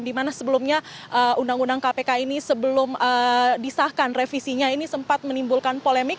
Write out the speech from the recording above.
di mana sebelumnya undang undang kpk ini sebelum disahkan revisinya ini sempat menimbulkan polemik